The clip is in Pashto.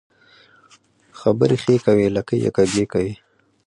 خبري ښې کوې ، لکۍ يې کږۍ کوې.